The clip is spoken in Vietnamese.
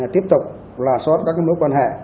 tiếp tục là soát các mối quan hệ